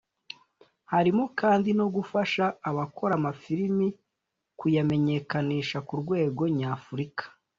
Harimo kandi no gufasha abakora amafilime kuyamenyekanisha ku rwego nyafurika